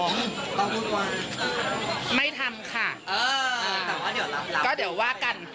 ต้องพูดว่าไม่ทำค่ะเออแต่ว่าเดี๋ยวเราก็เดี๋ยวว่ากัน